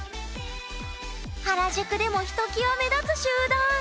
原宿でもひときわ目立つ集団。